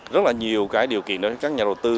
rất là nhiều cái điều kiện để các nhà đầu tư